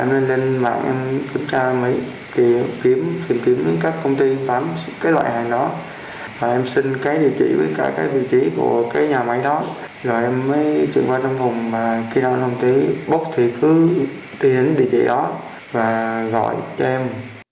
và gọi cho em